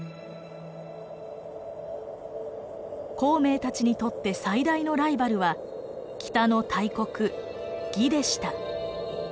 孔明たちにとって最大のライバルは北の大国魏でした。